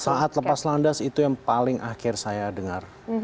saat lepas landas itu yang paling akhir saya dengar